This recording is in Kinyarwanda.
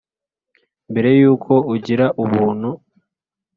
mbere yuko ugira ubuntu